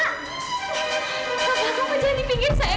kava kava kava jangan dipinggir sayang